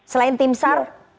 selain tim sar